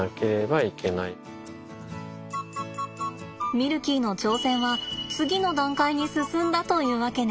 ミルキーの挑戦は次の段階に進んだというわけね。